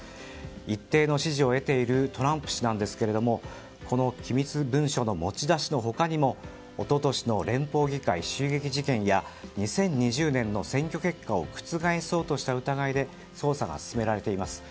一定の支持を得ているトランプ氏なんですがこの機密文書の持ち出しの他にも一昨年の連邦議会襲撃事件や２０２０年の選挙結果を覆そうとした疑いで捜査が進められています。